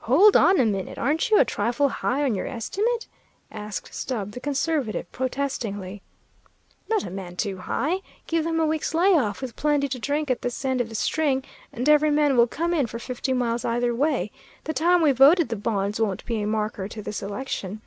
"Hold on a minute, aren't you a trifle high on your estimate?" asked Stubb, the conservative, protestingly. "Not a man too high. Give them a week's lay off, with plenty to drink at this end of the string, and every man will come in for fifty miles either way. The time we voted the bonds won't be a marker to this election."